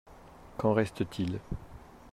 Qu’en reste-t-il?